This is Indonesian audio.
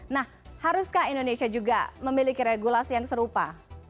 nah haruskah indonesia juga memiliki regulasi yang serupa